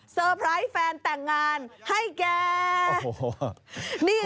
ขอบคุณครับ